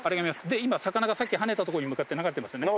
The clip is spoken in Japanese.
で今魚がさっき跳ねた所に向かって流れてますね。